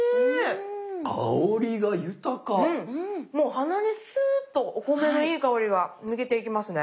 もう鼻にすっとお米のいい香りが抜けていきますね。